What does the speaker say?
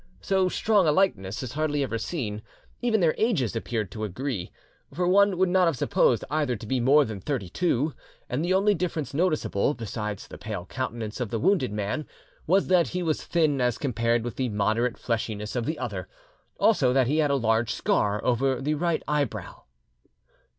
So strong a likeness is hardly ever seen; even their ages appeared to agree, for one would not have supposed either to be more than thirty two; and the only difference noticeable, besides the pale countenance of the wounded man, was that he was thin as compared with the moderate fleshiness of the other, also that he had a large scar over the right eyebrow.